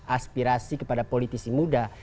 aspirasi kepada politisi muda